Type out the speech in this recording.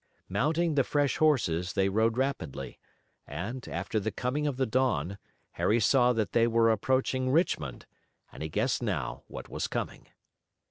Mounting the fresh horses they rode rapidly, and, after the coming of the dawn, Harry saw that they were approaching Richmond, and he guessed now what was coming.